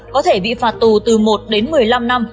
có thể bị phạt tù từ một đến một mươi năm năm